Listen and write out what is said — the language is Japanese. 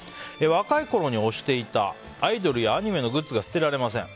若いころに推していたアイドルやアニメのグッズが捨てられません。